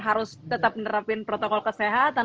harus tetap menerapkan protokol kesehatan